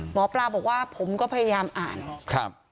หมอปลาบอกว่าผมก็พยายามอ่านครับ